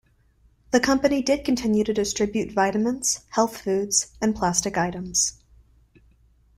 The company did continue to distribute vitamins, health foods, and plastic items.